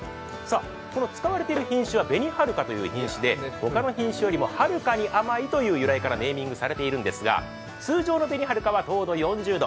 使われている品種は、べにはるかという品種で、他の品種よりもはるかに甘いという由来からネーミングされているんですが、通常のべにはるかは糖度４０度。